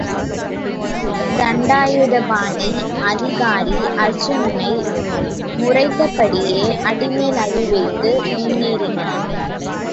தண்டாயுதபாணி, அதிகாரி அர்ச்சுனனை முறைத்த படியே, அடிமேல் அடி வைத்து முன்னேறினான்.